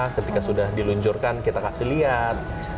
ketika sudah diluncurkan kita kasih lihat